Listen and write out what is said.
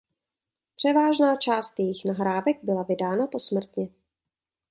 Převážná část jejích nahrávek byla vydána posmrtně.